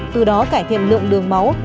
từ đó cải thiện lượng đường máu